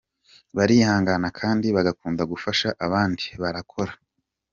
barihangana kandi bagakunda gufasha abandi. Barakora